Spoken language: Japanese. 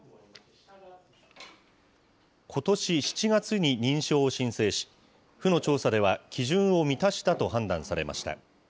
ことし７月に認証を申請し、府の調査では基準を満たしたと判断されました。